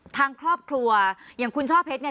ทางครอบครัวอย่างคุณช่อเพชรเนี่ย